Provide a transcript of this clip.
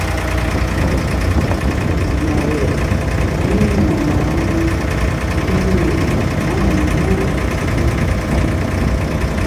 Nanwlɛ, mi niaan mun, n yo amun mo dan.